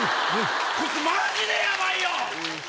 マジでヤバいよ！